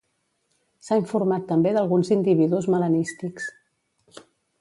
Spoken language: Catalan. S'ha informat també d'alguns individus melanístics.